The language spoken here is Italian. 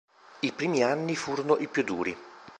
I primi anni furono i più duri.